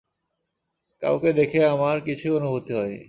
কাউকে দেখে আমার কিছুই অনুভূতি হয়নি।